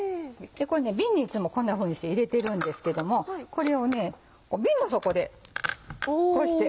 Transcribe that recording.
これね瓶にいつもこんなふうに入れてるんですけどもこれを瓶の底でこうして。